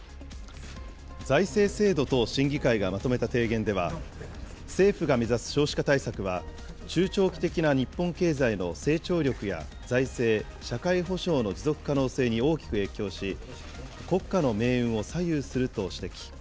財政制度等審議会がまとめた提言では、政府が目指す少子化対策は、中長期的な日本経済の成長力や財政・社会保障の持続可能性に大きく影響し、国家の命運を左右すると指摘。